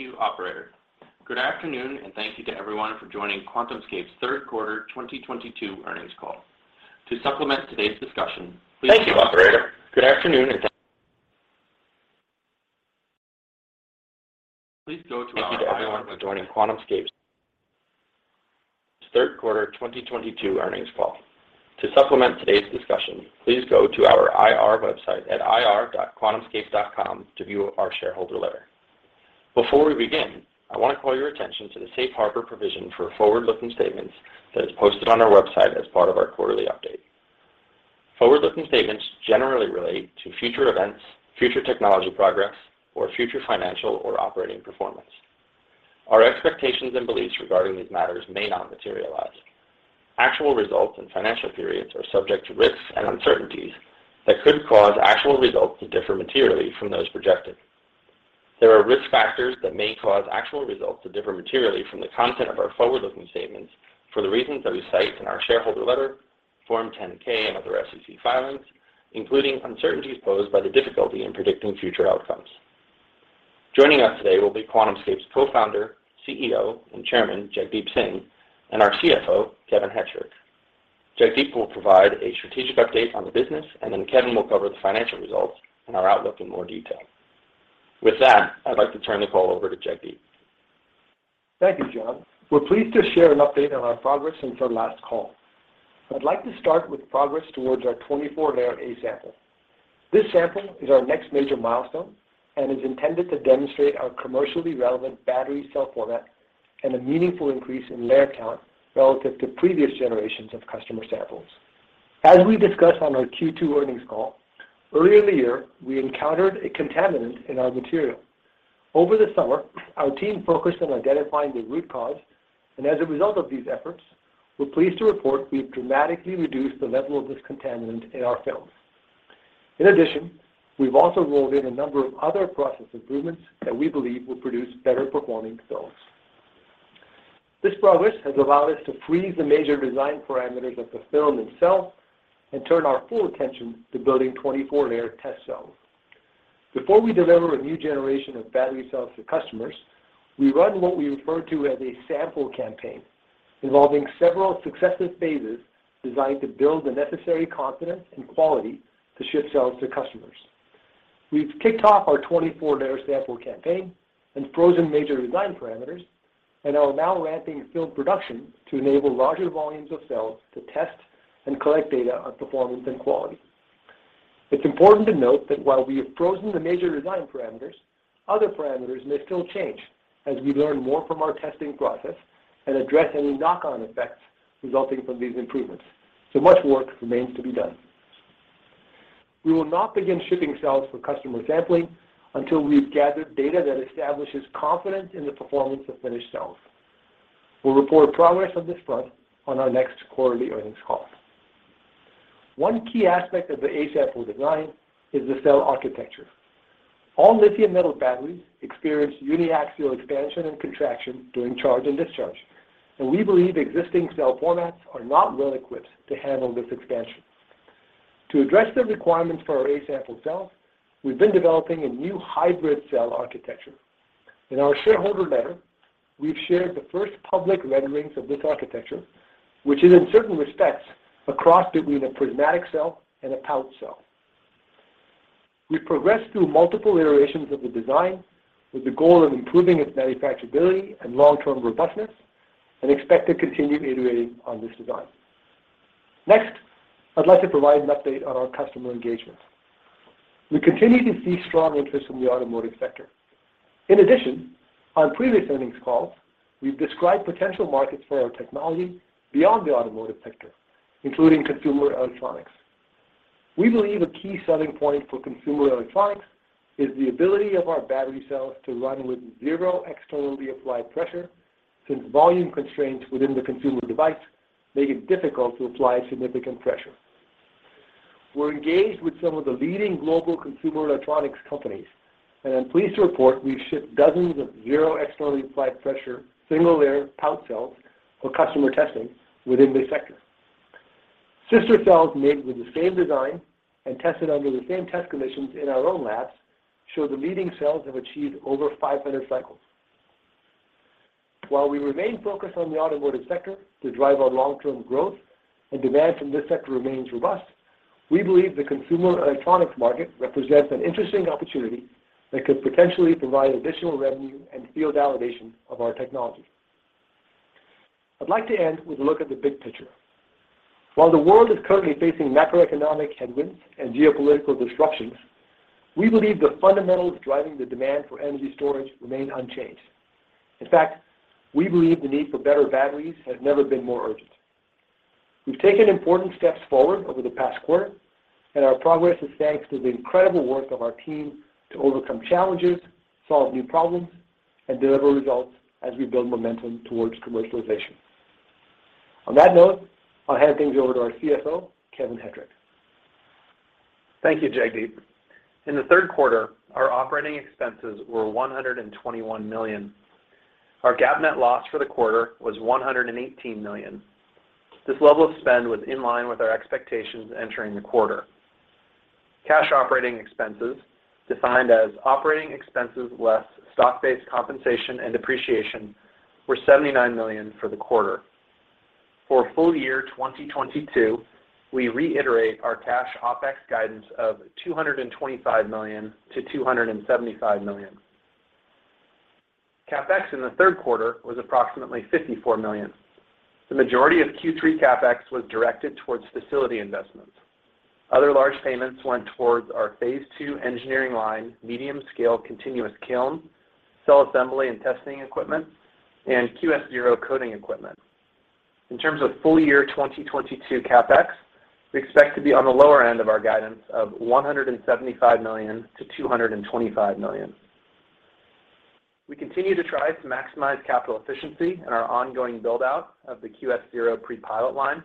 Thank you, operator. Good afternoon and thank you to everyone for joining QuantumScape's Third Quarter 2022 Earnings Call. To supplement today's discussion, please go to our IR website at ir.quantumscape.com to view our shareholder letter. Before we begin, I want to call your attention to the safe harbor provision for forward-looking statements that is posted on our website as part of our quarterly update. Forward-looking statements generally relate to future events, future technology progress, or future financial or operating performance. Our expectations and beliefs regarding these matters may not materialize. Actual results and financial periods are subject to risks and uncertainties that could cause actual results to differ materially from those projected. There are risk factors that may cause actual results to differ materially from the content of our forward-looking statements for the reasons that we cite in our shareholder letter, Form 10-K and other SEC filings, including uncertainties posed by the difficulty in predicting future outcomes. Joining us today will be QuantumScape's Co-founder, CEO, and Chairman, Jagdeep Singh, and our CFO, Kevin Hettrich. Jagdeep will provide a strategic update on the business, and then Kevin will cover the financial results and our outlook in more detail. With that, I'd like to turn the call over to Jagdeep. Thank you, John. We're pleased to share an update on our progress since our last call. I'd like to start with progress towards our 24-layer A sample. This sample is our next major milestone and is intended to demonstrate our commercially relevant battery cell format and a meaningful increase in layer count relative to previous generations of customer samples. As we discussed on our Q2 earnings call, earlier in the year, we encountered a contaminant in our material. Over the summer, our team focused on identifying the root cause, and as a result of these efforts, we're pleased to report we've dramatically reduced the level of this contaminant in our films. In addition, we've also rolled in a number of other process improvements that we believe will produce better performing cells. This progress has allowed us to freeze the major design parameters of the film itself and turn our full attention to building 24-layer test cells. Before we deliver a new generation of battery cells to customers, we run what we refer to as a sample campaign involving several successive phases designed to build the necessary confidence and quality to ship cells to customers. We've kicked off our 24-layer sample campaign and frozen major design parameters and are now ramping field production to enable larger volumes of cells to test and collect data on performance and quality. It's important to note that while we have frozen the major design parameters, other parameters may still change as we learn more from our testing process and address any knock-on effects resulting from these improvements, so much work remains to be done. We will not begin shipping cells for customer sampling until we've gathered data that establishes confidence in the performance of finished cells. We'll report progress on this front on our next quarterly earnings call. One key aspect of the A-sample design is the cell architecture. All lithium metal batteries experience uniaxial expansion and contraction during charge and discharge, and we believe existing cell formats are not well equipped to handle this expansion. To address the requirements for our A-sample cells, we've been developing a new hybrid cell architecture. In our shareholder letter, we've shared the first public renderings of this architecture, which is in certain respects, a cross between a prismatic cell and a pouch cell. We've progressed through multiple iterations of the design with the goal of improving its manufacturability and long-term robustness and expect to continue iterating on this design. Next, I'd like to provide an update on our customer engagement. We continue to see strong interest from the automotive sector. In addition, on previous earnings calls, we've described potential markets for our technology beyond the automotive sector, including consumer electronics. We believe a key selling point for consumer electronics is the ability of our battery cells to run with zero externally applied pressure, since volume constraints within the consumer device make it difficult to apply significant pressure. We're engaged with some of the leading global consumer electronics companies, and I'm pleased to report we've shipped dozens of zero externally applied pressure, single-layer pouch cells for customer testing within this sector. Sister cells made with the same design and tested under the same test conditions in our own labs show the leading cells have achieved over 500 cycles. While we remain focused on the automotive sector to drive our long-term growth and demand from this sector remains robust, we believe the consumer electronics market represents an interesting opportunity that could potentially provide additional revenue and field validation of our technology. I'd like to end with a look at the big picture. While the world is currently facing macroeconomic headwinds and geopolitical disruptions, we believe the fundamentals driving the demand for energy storage remain unchanged. In fact, we believe the need for better batteries has never been more urgent. We've taken important steps forward over the past quarter, and our progress is thanks to the incredible work of our team to overcome challenges, solve new problems, and deliver results as we build momentum towards commercialization. On that note, I'll hand things over to our CFO, Kevin Hettrich. Thank you, Jagdeep. In the third quarter, our operating expenses were $121 million. Our GAAP net loss for the quarter was $118 million. This level of spend was in line with our expectations entering the quarter. Cash operating expenses defined as operating expenses less stock-based compensation and depreciation were $79 million for the quarter. For full year 2022, we reiterate our cash OpEx guidance of $225 million-$275 million. CapEx in the third quarter was approximately $54 million. The majority of Q3 CapEx was directed towards facility investments. Other large payments went towards our Phase 2 engineering line, medium-scale continuous kiln, cell assembly and testing equipment, and QS-0 coating equipment. In terms of full year 2022 CapEx, we expect to be on the lower end of our guidance of $175 million-$225 million. We continue to try to maximize capital efficiency in our ongoing build-out of the QS-0 pre-pilot line.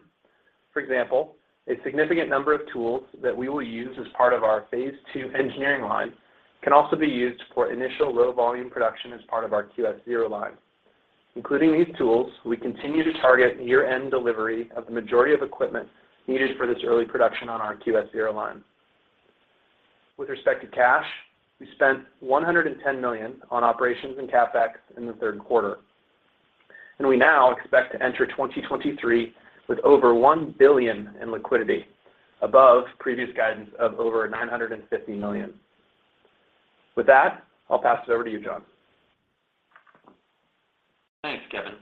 For example, a significant number of tools that we will use as part of our Phase 2 engineering line can also be used for initial low volume production as part of our QS-0 line. Including these tools, we continue to target year-end delivery of the majority of equipment needed for this early production on our QS-0 line. With respect to cash, we spent $110 million on operations and CapEx in the third quarter, and we now expect to enter 2023 with over $1 billion in liquidity above previous guidance of over $950 million. With that, I'll pass it over to you, John. Thanks, Kevin.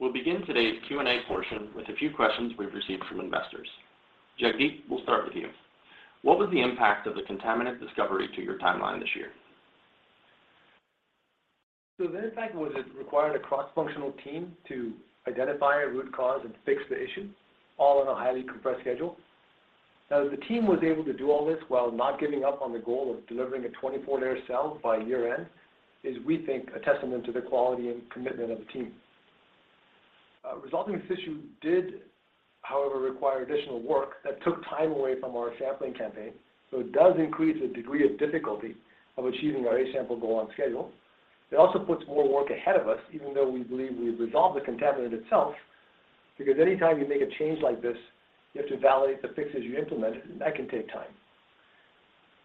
We'll begin today's Q&A portion with a few questions we've received from investors. Jagdeep, we'll start with you. What was the impact of the contaminant discovery to your timeline this year? The impact was it required a cross-functional team to identify a root cause and fix the issue, all on a highly compressed schedule. Now, the team was able to do all this while not giving up on the goal of delivering a 24-layer cell by year-end is, we think, a testament to the quality and commitment of the team. Resolving this issue did, however, require additional work that took time away from our sampling campaign, so it does increase the degree of difficulty of achieving our A-sample goal on schedule. It also puts more work ahead of us, even though we believe we've resolved the contaminant itself, because any time you make a change like this, you have to validate the fixes you implemented, and that can take time.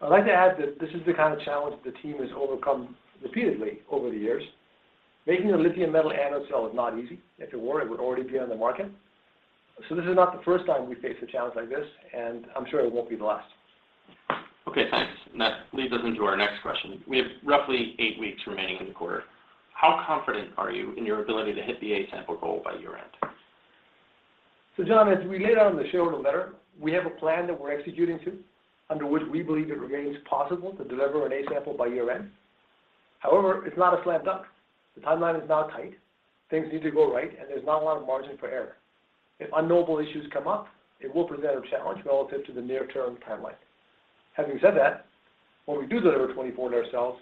I'd like to add that this is the kind of challenge the team has overcome repeatedly over the years. Making a lithium metal anode cell is not easy. If it were, it would already be on the market. This is not the first time we faced a challenge like this, and I'm sure it won't be the last. Okay, thanks. That leads us into our next question. We have roughly eight weeks remaining in the quarter. How confident are you in your ability to hit the A-sample goal by year-end? John, as we laid out in the shareholder letter, we have a plan that we're executing to, under which we believe it remains possible to deliver an A sample by year-end. However, it's not a slam dunk. The timeline is now tight. Things need to go right, and there's not a lot of margin for error. If unknowable issues come up, it will present a challenge relative to the near-term timeline. Having said that, when we do deliver 24-layer cells,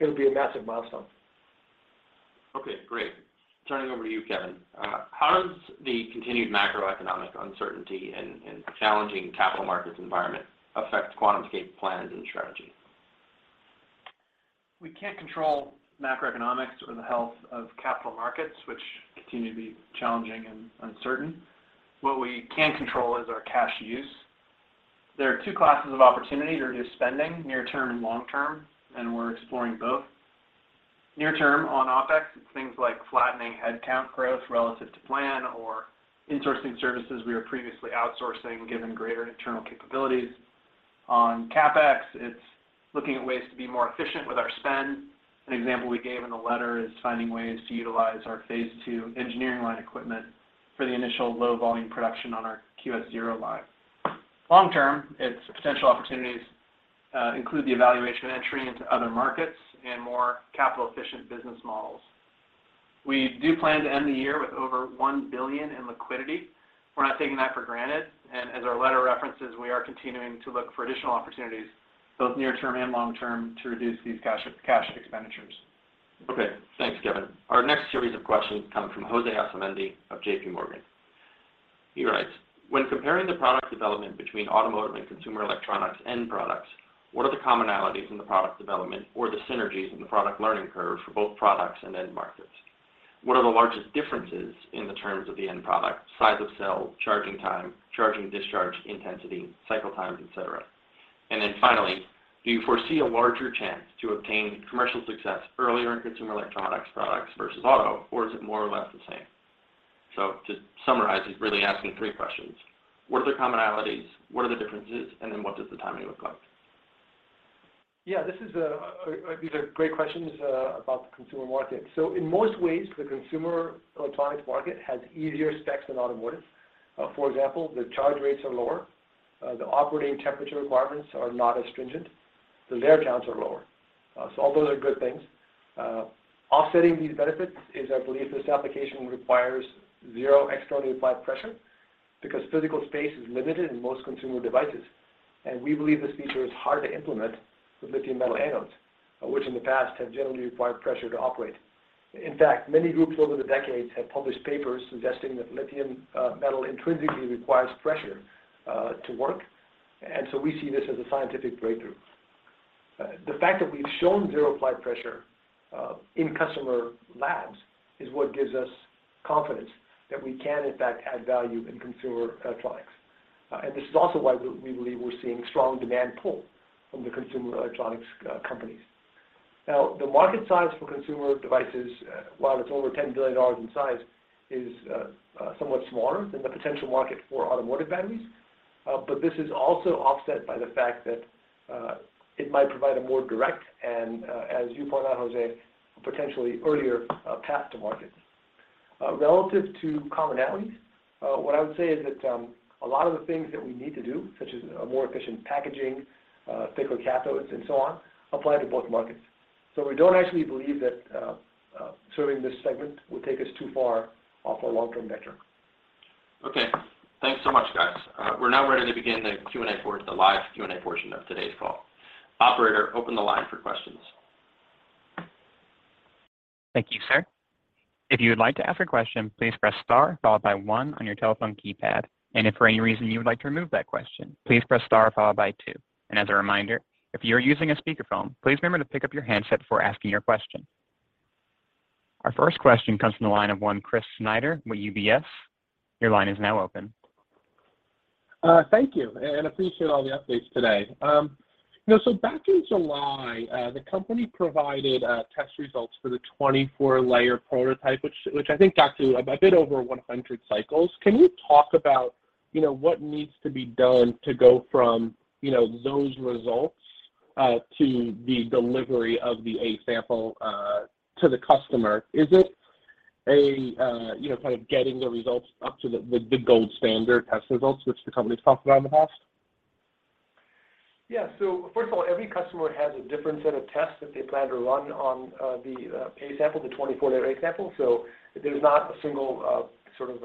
it'll be a massive milestone. Okay, great. Turning over to you, Kevin, how does the continued macroeconomic uncertainty and challenging capital markets environment affect QuantumScape plans and strategy? We can't control macroeconomics or the health of capital markets, which continue to be challenging and uncertain. What we can control is our cash use. There are two classes of opportunities to reduce spending, near term and long term, and we're exploring both. Near term on OpEx, it's things like flattening headcount growth relative to plan or insourcing services we were previously outsourcing, given greater internal capabilities. On CapEx, it's looking at ways to be more efficient with our spend. An example we gave in the letter is finding ways to utilize our Phase 2 engineering line equipment for the initial low volume production on our QS-0 line. Long term, it's potential opportunities include the evaluation of entry into other markets and more capital efficient business models. We do plan to end the year with over $1 billion in liquidity. We're not taking that for granted, and as our letter references, we are continuing to look for additional opportunities, both near term and long term, to reduce these CapEx expenditures. Okay, thanks, Kevin. Our next series of questions come from Jose Asumendi of J.P. Morgan. He writes: When comparing the product development between automotive and consumer electronics end products, what are the commonalities in the product development or the synergies in the product learning curve for both products and end markets? What are the largest differences in the terms of the end product, size of cell, charging time, charging discharge intensity, cycle times, et cetera? And then finally, do you foresee a larger chance to obtain commercial success earlier in consumer electronics products versus auto, or is it more or less the same? To summarize, he's really asking three questions. What are the commonalities? What are the differences? And then what does the timing look like? These are great questions about the consumer market. In most ways, the consumer electronics market has easier specs than automotive. For example, the charge rates are lower, the operating temperature requirements are not as stringent, the layer counts are lower. All those are good things. Offsetting these benefits is, I believe, this application requires zero externally applied pressure because physical space is limited in most consumer devices, and we believe this feature is hard to implement with lithium metal anodes, which in the past have generally required pressure to operate. In fact, many groups over the decades have published papers suggesting that lithium metal intrinsically requires pressure to work, and so we see this as a scientific breakthrough. The fact that we've shown zero applied pressure in customer labs is what gives us confidence that we can in fact add value in consumer electronics. This is also why we believe we're seeing strong demand pull from the consumer electronics companies. Now, the market size for consumer devices, while it's over $10 billion in size, is somewhat smaller than the potential market for automotive batteries. This is also offset by the fact that it might provide a more direct and, as you pointed out, José, a potentially earlier path to market. Relative to commonalities, what I would say is that, a lot of the things that we need to do, such as a more efficient packaging, thicker cathodes and so on, apply to both markets. We don't actually believe that, serving this segment will take us too far off our long-term vector. Okay. Thanks so much, guys. We're now ready to begin the live Q&A portion of today's call. Operator, open the line for questions. Thank you, sir. If you would like to ask a question, please press star followed by one on your telephone keypad. If for any reason you would like to remove that question, please press star followed by two. As a reminder, if you're using a speakerphone, please remember to pick up your handset before asking your question. Our first question comes from the line of Chris Snyder with UBS. Your line is now open. Thank you, and appreciate all the updates today. You know, back in July, the company provided test results for the 24-layer prototype, which I think got to a bit over 100 cycles. Can you talk about, you know, what needs to be done to go from, you know, those results to the delivery of the A-sample to the customer? Is it a, you know, kind of getting the results up to the gold standard test results which the company's talked about in the past? Yeah. First of all, every customer has a different set of tests that they plan to run on the A-sample, the 24-layer A-sample. There's not a single sort of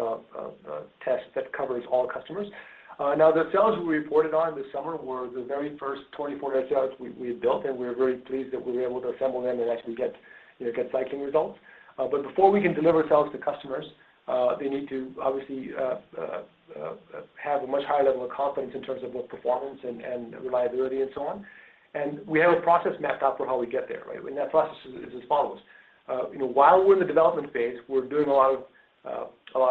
test that covers all customers. Now the cells we reported on this summer were the very first 24-layer cells we had built, and we're very pleased that we were able to assemble them and actually get you know cycling results. Before we can deliver cells to customers, they need to obviously have a much higher level of confidence in terms of both performance and reliability and so on. We have a process mapped out for how we get there, right? That process is as follows. You know, while we're in the development phase, we're doing a lot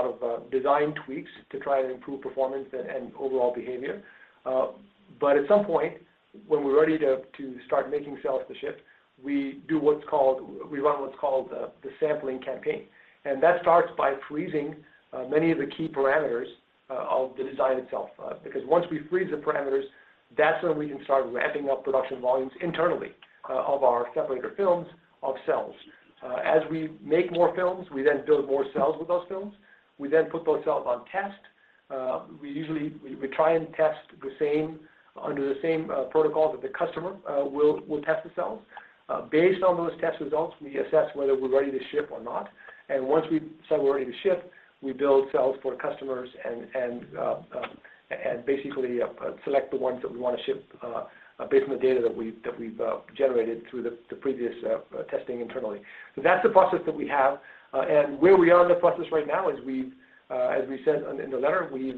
of design tweaks to try and improve performance and overall behavior. At some point when we're ready to start making sales to ship, we run what's called the sampling campaign. That starts by freezing many of the key parameters of the design itself. Because once we freeze the parameters, that's when we can start ramping up production volumes internally of our separator films of cells. As we make more films, we then build more cells with those films. We then put those cells on test. We try and test under the same protocol that the customer will test the cells. Based on those test results, we assess whether we're ready to ship or not, and once we've said we're ready to ship, we build cells for customers and basically select the ones that we wanna ship based on the data that we've generated through the previous testing internally. That's the process that we have, and where we are in the process right now is we've, as we said in the letter, we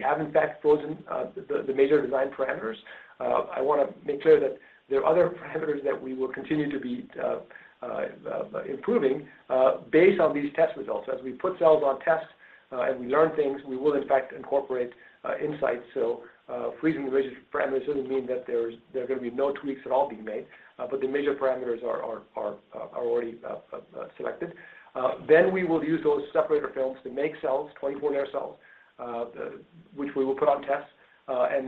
have in fact frozen the major design parameters. I wanna make clear that there are other parameters that we will continue to be improving based on these test results. As we put cells on test, and we learn things, we will in fact incorporate insights. Freezing the parameters doesn't mean that there are gonna be no tweaks at all being made, but the major parameters are already selected. We will use those separator films to make cells, 24-layer cells, which we will put on test.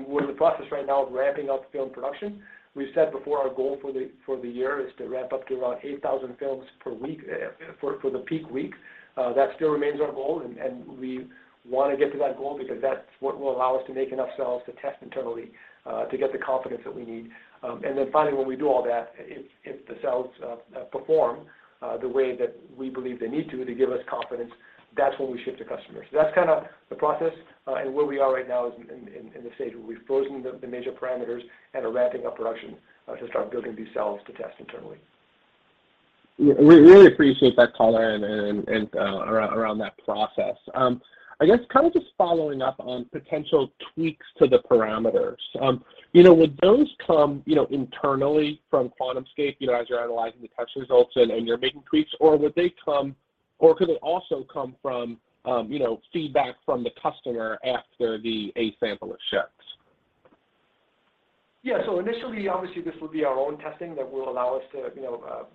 We're in the process right now of ramping up film production. We've said before our goal for the year is to ramp up to around 8,000 films per week for the peak week. That still remains our goal and we wanna get to that goal because that's what will allow us to make enough cells to test internally to get the confidence that we need. Finally, when we do all that, if the cells perform the way that we believe they need to to give us confidence, that's when we ship to customers. That's kinda the process, and where we are right now is in the stage where we've frozen the major parameters and are ramping up production to start building these cells to test internally. Yeah. We really appreciate that color and around that process. I guess kind of just following up on potential tweaks to the parameters. You know, would those come, you know, internally from QuantumScape, you know, as you're analyzing the test results and you're making tweaks? Or would they come, or could they also come from, you know, feedback from the customer after the A sample has shipped? Yeah. Initially, obviously, this will be our own testing that will allow us to, you know,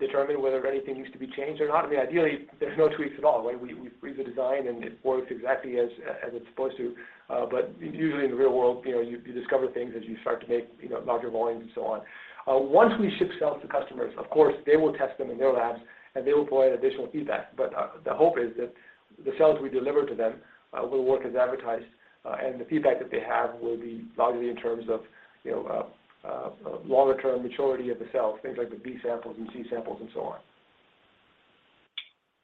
determine whether anything needs to be changed or not. I mean, ideally, there's no tweaks at all, right? We freeze the design and it works exactly as it's supposed to. Usually in the real world, you know, you discover things as you start to make, you know, larger volumes and so on. Once we ship cells to customers, of course, they will test them in their labs, and they will provide additional feedback. The hope is that the cells we deliver to them will work as advertised, and the feedback that they have will be largely in terms of, you know, longer term maturity of the cells, things like the B samples and C samples and so on.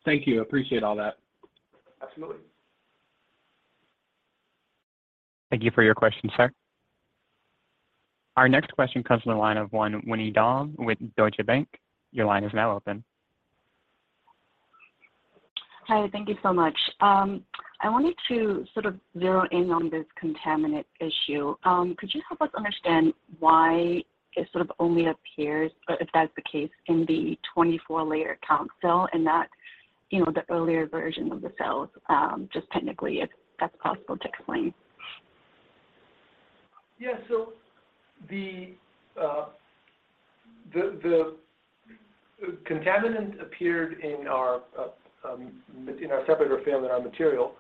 Thank you. Appreciate all that. Absolutely. Thank you for your question, sir. Our next question comes from the line of Winnie Dong with Deutsche Bank. Your line is now open. Hi, thank you so much. I wanted to sort of zero in on this contaminant issue. Could you help us understand why it sort of only appears, or if that's the case, in the 24 layer count cell and not, you know, the earlier version of the cells, just technically if that's possible to explain? The contaminant appeared in our separator film in our material.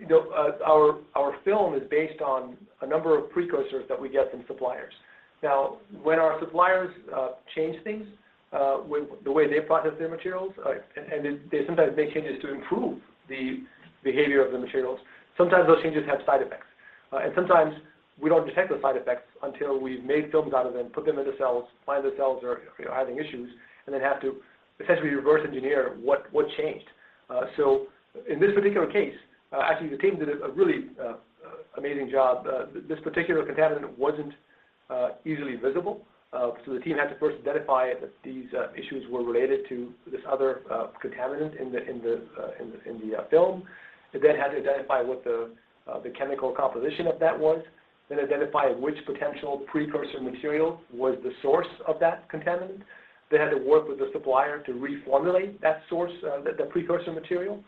You know, our film is based on a number of precursors that we get from suppliers. Now, when our suppliers change things with the way they process their materials, and they sometimes make changes to improve the behavior of the materials, sometimes those changes have side effects. Sometimes we don't detect those side effects until we've made films out of them, put them in the cells, find the cells are, you know, having issues, and then have to essentially reverse engineer what changed. Actually the team did a really amazing job. This particular contaminant wasn't easily visible, so the team had to first identify if these issues were related to this other contaminant in the film. It then had to identify what the chemical composition of that was, then identify which potential precursor material was the source of that contaminant. They had to work with the supplier to reformulate that source, the precursor material,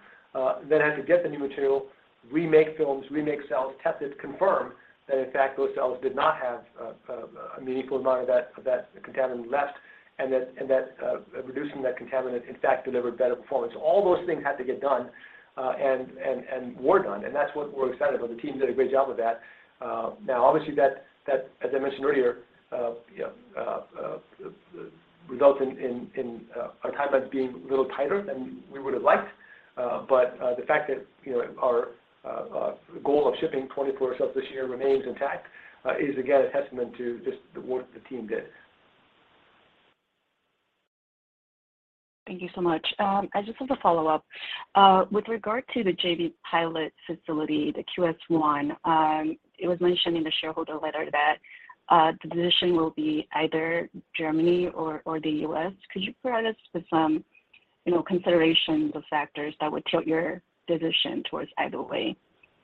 then had to get the new material, remake films, remake cells, test it, confirm that in fact those cells did not have a meaningful amount of that contaminant left, and that reducing that contaminant in fact delivered better performance. All those things had to get done, and were done, and that's what we're excited about. The team did a great job with that. Now obviously that, as I mentioned earlier, you know, results in our timelines being a little tighter than we would have liked. The fact that, you know, our goal of shipping 24 cells this year remains intact is again a testament to just the work the team did. Thank you so much. I just have a follow-up. With regard to the JV pilot facility, the QS-1, it was mentioned in the shareholder letter that the decision will be either Germany or the U.S. Could you provide us with some, you know, considerations of factors that would tilt your decision towards either way,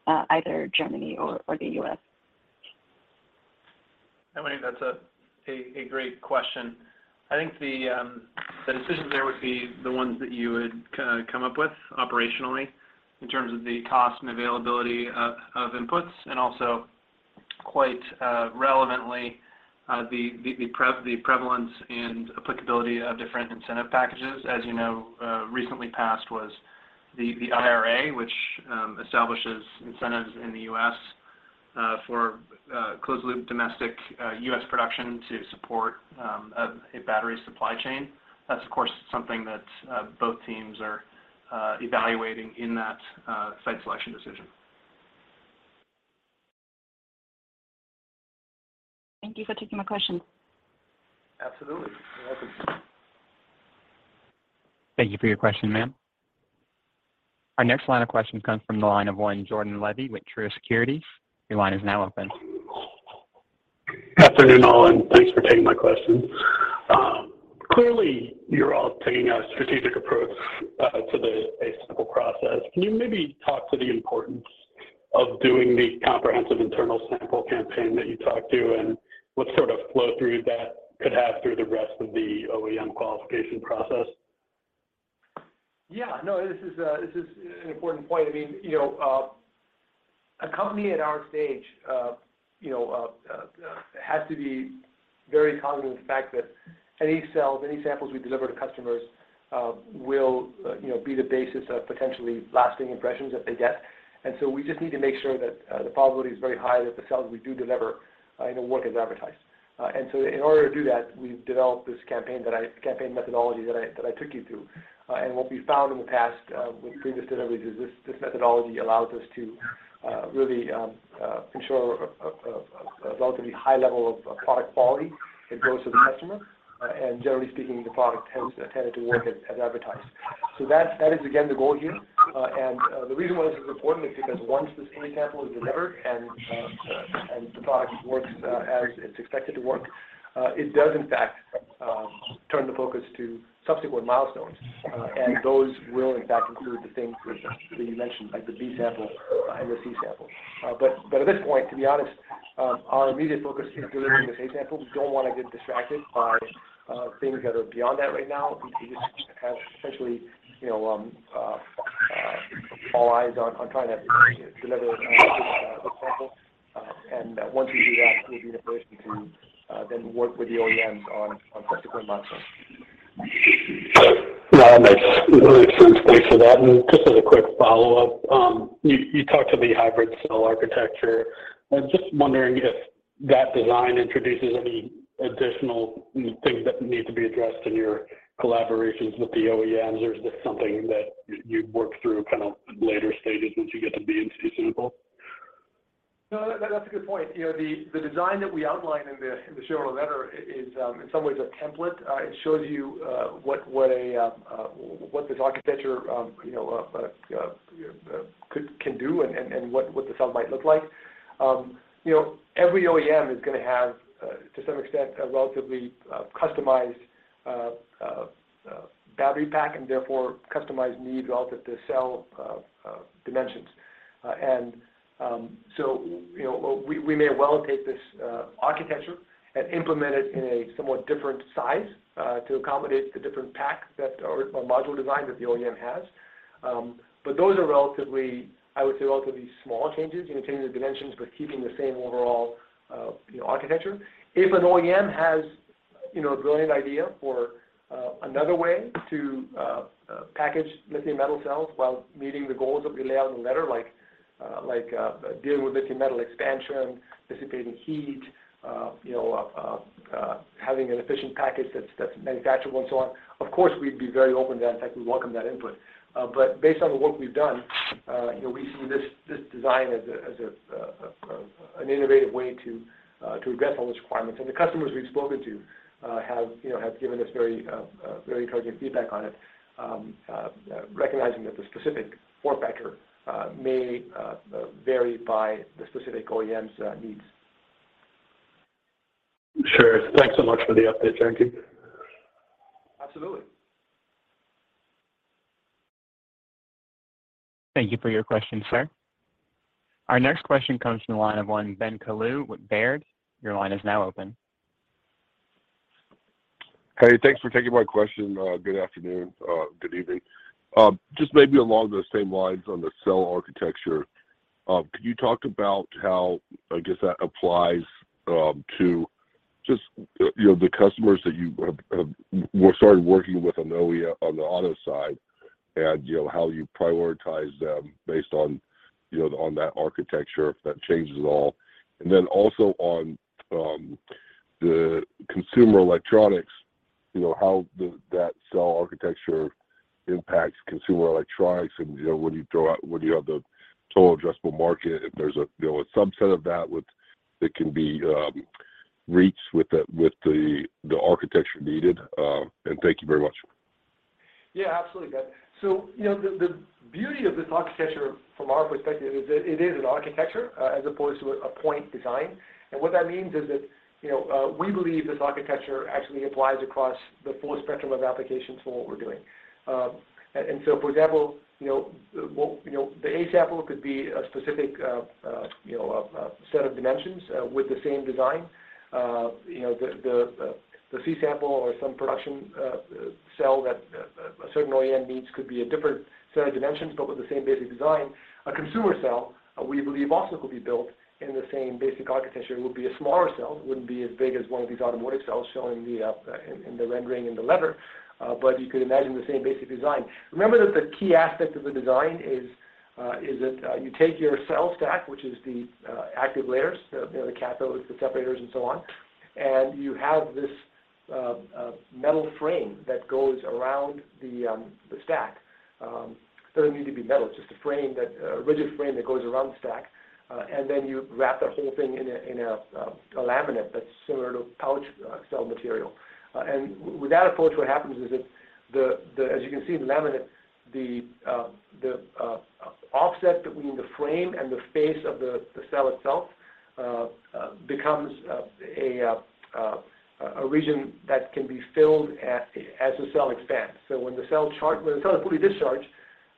either Germany or the U.S.? Hi, Winnie Dong. That's a great question. I think the decisions there would be the ones that you would come up with operationally in terms of the cost and availability of inputs, and also quite relevantly, the prevalence and applicability of different incentive packages. As you know, recently passed was the IRA, which establishes incentives in the U.S., for closed loop domestic U.S. production to support a battery supply chain. That's of course something that both teams are evaluating in that site selection decision. Thank you for taking my question. Absolutely. You're welcome. Thank you for your question, ma'am. Our next line of questions comes from the line of Jordan Levy with Truist Securities. Your line is now open. Afternoon all, and thanks for taking my questions. Clearly, you're all taking a strategic approach to the A-sample process. Can you maybe talk to the importance of doing the comprehensive internal sample campaign that you talked about and what sort of flow-through that could have through the rest of the OEM qualification process? Yeah, no, this is an important point. I mean, you know, a company at our stage, you know, has to be very cognizant of the fact that any cells, any samples we deliver to customers, will, you know, be the basis of potentially lasting impressions that they get. We just need to make sure that the probability is very high that the cells we do deliver, you know, work as advertised. In order to do that, we've developed this campaign methodology that I took you through. What we found in the past with previous deliveries is this methodology allows us to really ensure a relatively high level of product quality that goes to the customer. Generally speaking, the product tended to work as advertised. That is again the goal here. The reason why this is important is because once this A-sample is delivered and the product works as it's expected to work, it does in fact turn the focus to subsequent milestones. Those will in fact include the things that you mentioned, like the B-sample and the C-sample. At this point, to be honest, our immediate focus is delivering the A-sample. We don't wanna get distracted by things that are beyond that right now. We just have essentially, you know, all eyes on trying to deliver this sample. Once we do that, we'll be in a position to then work with the OEMs on subsequent milestones. Yeah. No, I appreciate the space for that. Just as a quick follow-up, you talked about the hybrid cell architecture. I'm just wondering if that design introduces any additional things that need to be addressed in your collaborations with the OEMs, or is this something that you'd work through kind of later stages once you get the B and C samples? No. That's a good point. You know, the design that we outline in the shareholder letter is, in some ways, a template. It shows you what this architecture, you know, can do and what this all might look like. You know, every OEM is gonna have, to some extent, a relatively customized battery pack, and therefore customized needs relative to cell dimensions. So, you know, we may well take this architecture and implement it in a somewhat different size to accommodate the different packs that are, or module design that the OEM has. Those are relatively, I would say, relatively small changes, you know, changing the dimensions, but keeping the same overall, you know, architecture. If an OEM has, you know, a brilliant idea for another way to package lithium metal cells while meeting the goals that we lay out in the letter, like dealing with lithium metal expansion, dissipating heat, you know, having an efficient package that's manufacturable and so on, of course, we'd be very open to that. In fact, we welcome that input. Based on the work we've done, you know, we see this design as an innovative way to address all those requirements. The customers we've spoken to, you know, have given us very encouraging feedback on it, recognizing that the specific form factor may vary by the specific OEM's needs. Sure. Thanks so much for the update, Jagdeep. Absolutely. Thank you for your question, sir. Our next question comes from the line of Ben Kallo with Baird. Your line is now open. Hey, thanks for taking my question. Good afternoon, good evening. Just maybe along the same lines on the cell architecture. Could you talk about how, I guess, that applies, to just, you know, the customers that you have started working with on the OEM side, and, you know, how you prioritize them based on, you know, on that architecture, if that changes at all? Then also on, the consumer electronics, you know, how the, that cell architecture impacts consumer electronics and, you know, when you have the total addressable market, if there's a, you know, a subset of that with that can be, reached with the architecture needed? Thank you very much. Yeah, absolutely, Ben. So, you know, the beauty of this architecture from our perspective is it is an architecture, as opposed to a point design. What that means is that, you know, we believe this architecture actually applies across the full spectrum of applications for what we're doing. For example, you know, the A-sample could be a specific set of dimensions with the same design. The C-sample or some production cell that a certain OEM needs could be a different set of dimensions, but with the same basic design. A consumer cell, we believe also could be built in the same basic architecture. It would be a smaller cell. It wouldn't be as big as one of these automotive cells shown in the rendering in the letter, but you could imagine the same basic design. Remember that the key aspect of the design is that you take your cell stack, which is the active layers, the cathodes, the separators, and so on, and you have this metal frame that goes around the stack. Doesn't need to be metal, it's just a frame, a rigid frame that goes around the stack. You wrap the whole thing in a laminate that's similar to pouch cell material. With that approach, what happens is that as you can see in the laminate, the offset between the frame and the face of the cell itself becomes a region that can be filled as the cell expands. When the cell is fully discharged,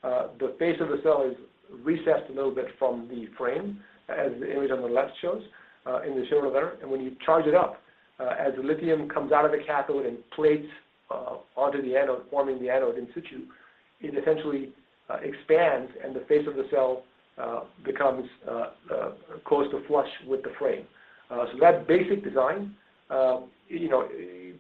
the face of the cell is recessed a little bit from the frame, as the image on the left shows in the shareholder. When you charge it up, as the lithium comes out of the cathode and plates onto the anode, forming the anode in situ, it essentially expands, and the face of the cell becomes close to flush with the frame. That basic design, you know,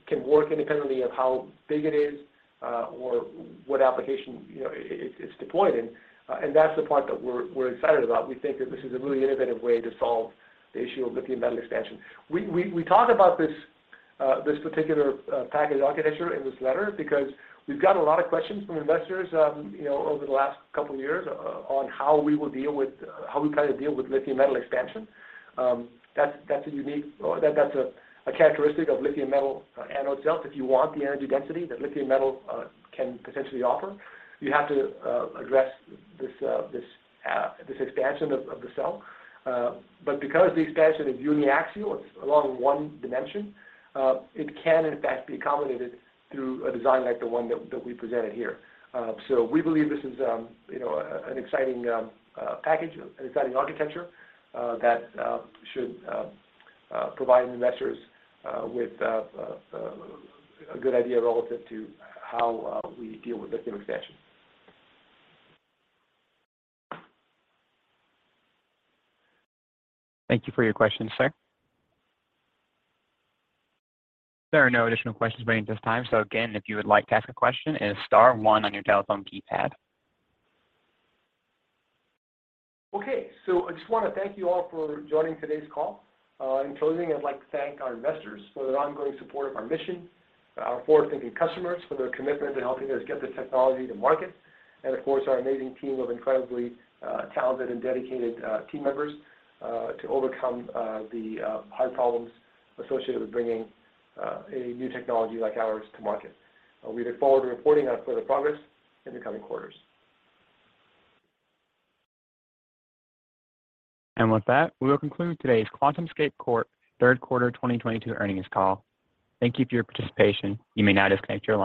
can work independently of how big it is, or what application, you know, it's deployed in. That's the part that we're excited about. We think that this is a really innovative way to solve the issue of lithium metal expansion. We talk about this particular package architecture in this letter because we've gotten a lot of questions from investors, you know, over the last couple years on how we will deal with, how we plan to deal with lithium metal expansion. That's a characteristic of lithium metal anode cells. If you want the energy density that lithium metal can potentially offer, you have to address this expansion of the cell. Because the expansion is uniaxial, it's along one dimension, it can in fact be accommodated through a design like the one that we presented here. We believe this is, you know, an exciting package, an exciting architecture, that should provide investors with a good idea relative to how we deal with lithium expansion. Thank you for your question, sir. There are no additional questions waiting at this time. Again, if you would like to ask a question, it is star 1 on your telephone keypad. Okay. I just wanna thank you all for joining today's call. In closing, I'd like to thank our investors for their ongoing support of our mission, our forward-thinking customers for their commitment to helping us get this technology to market, and of course, our amazing team of incredibly talented and dedicated team members to overcome the hard problems associated with bringing a new technology like ours to market. We look forward to reporting on further progress in the coming quarters. With that, we'll conclude today's QuantumScape Corporation Third Quarter 2022 Earnings Call. Thank you for your participation. You may now disconnect your line.